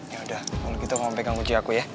yaudah kalau gitu kamu pegang kunci aku ya